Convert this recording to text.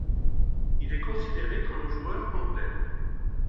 Il est considéré comme un joueur complet.